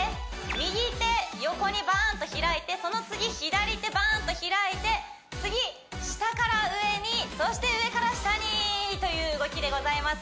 右手横にバーンッと開いてその次左手バーンッと開いて次下から上にそして上から下にという動きでございます